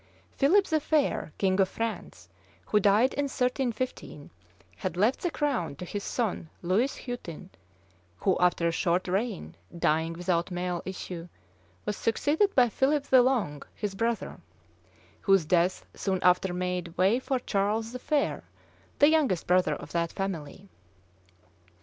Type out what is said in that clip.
{1324.} Philip the Fair, king of France, who died in 1315, had left the crown to his son Lewis Hutin, who, after a short reign, dying without male issue, was succeeded by Philip the Long, his brother, whose death soon after made way for Charles the Fair, the youngest brother of that family.